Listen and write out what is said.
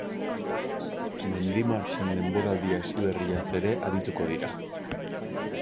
Mendi martxen denboraldi hasi berriaz ere arituko dira.